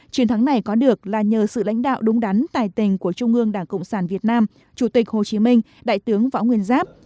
chiến thắng này có được là nhờ sự lãnh đạo đúng đắn tài tình của trung ương đảng cộng sản việt nam chủ tịch hồ chí minh đại tướng võ nguyên giáp